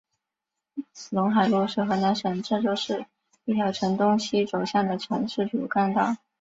陇海路是河南省郑州市一条呈东西走向的城市主干道。